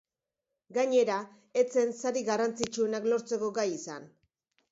Gainera, ez zen sari garrantzitsuenak lortzeko gai izan.